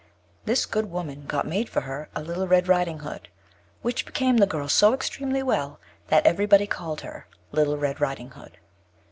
This good woman got made for her a little red riding hood; which became the girl so extremely well, that every body called her Little Red Riding Hood.